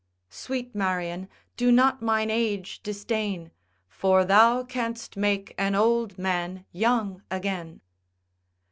Sweet Marian do not mine age disdain, For thou canst make an old man young again.